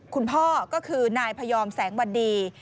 คุณพ่อก็คือนายพยอมแสงวันดี